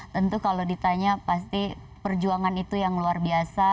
tentu kalau ditanya pasti perjuangan itu yang luar biasa